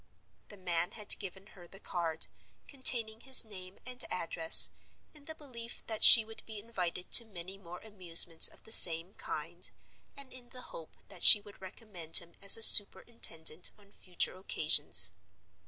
The man had given her the card, containing his name and address, in the belief that she would be invited to many more amusements of the same kind, and in the hope that she would recommend him as a superintendent on future occasions.